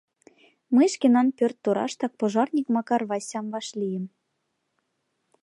Мый шкенан пӧрт тураштак пожарник Макар Васям вашлийым.